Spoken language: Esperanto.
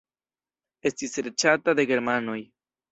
Estis serĉata de germanoj.